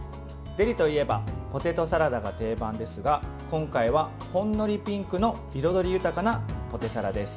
デリといえばポテトサラダが定番ですが今回は、ほんのりピンクの彩り豊かなポテサラです。